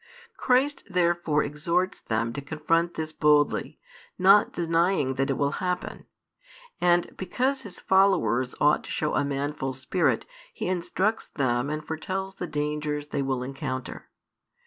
Christ therefore exhorts them to confront this boldly, not denying that it will happen. And because His followers ought to show a manful spirit, He instructs them and foretells the dangers they will encounter.